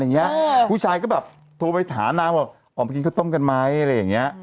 อ๋อมากินข้าวต้มกันไหมอะไรอย่างนี้